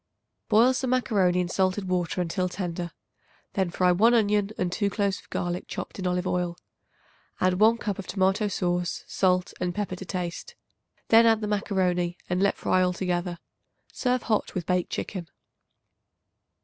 Boil some macaroni in salted water until tender. Then fry 1 onion and 2 cloves of garlic chopped in olive oil. Add 1 cup of tomato sauce, salt and pepper to taste. Then add the macaroni, and let fry altogether. Serve hot with baked chicken.